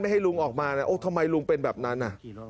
ให้ลุงออกมานะโอ้ทำไมลุงเป็นแบบนั้นอ่ะ